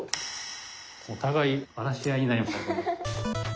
お互い荒らし合いになりましたね。